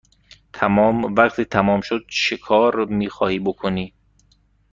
وقتی تمام شد چکار می خواهی بکنی؟